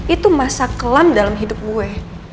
itu masa kelam dalam hidup gue